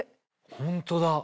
ホントだ！